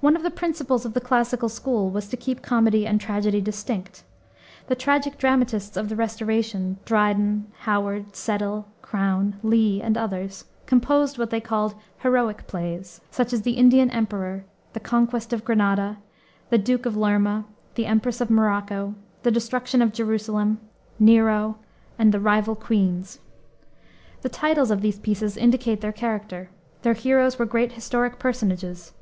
One of the principles of the classical school was to keep comedy and tragedy distinct. The tragic dramatists of the Restoration, Dryden, Howard, Settle, Crowne, Lee, and others, composed what they called "heroic plays," such as the Indian Emperor, the Conquest of Granada, the Duke of Lerma, the Empress of Morocco, the Destruction of Jerusalem, Nero, and the Rival Queens. The titles of these pieces indicate their character. Their heroes were great historic personages.